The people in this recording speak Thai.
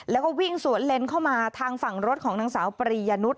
แล้วก็วิ่งสวนเลนเข้ามาทางฝั่งรถของนางสาวปรียนุษย